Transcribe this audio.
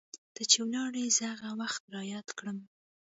ته چې ولاړي زه هغه وخت رایاد کړم